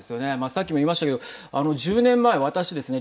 さっきも言いましたけど１０年前、私ですね